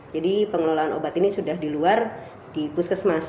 jadi pengelolaan obat ini sudah di luar di puskesmas